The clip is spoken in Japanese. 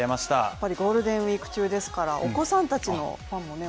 やっぱりゴールデンウィーク中ですからお子さんたちのファンもね